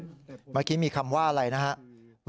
เมื่อกี้มีคำว่าอะไรนะครับ